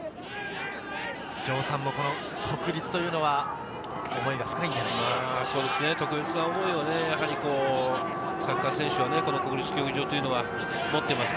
城さんもこの国立というのは、思いが深いんじゃないですか？